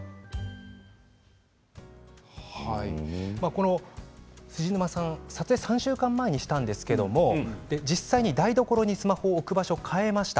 この藤沼さん撮影３週間前にしたんですけど実際に台所にスマホを置く場所を変えました。